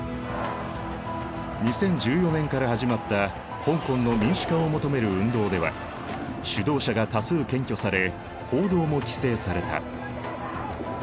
２０１４年から始まった香港の民主化を求める運動では主導者が多数検挙され報道も規制された。